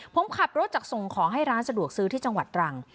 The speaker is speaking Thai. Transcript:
ผมขับรถจากส่งของให้ร้านสะดวกซื้อที่จังหวัดตรัง